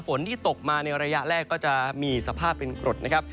ฝนที่ตกมาในระยะแรกก็จะมีสภาพเป็นกรดนะครับ